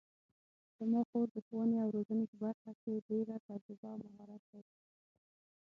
زما خور د ښوونې او روزنې په برخه کې ډېره تجربه او مهارت لري